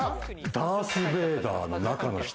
ダース・ベイダーの中の人。